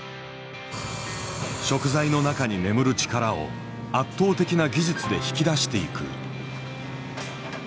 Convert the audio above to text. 食材の中に眠る力を圧倒的な技術で引き出していく。